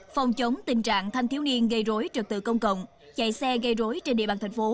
phòng chống tình trạng thanh thiếu niên gây rối trật tự công cộng chạy xe gây rối trên địa bàn thành phố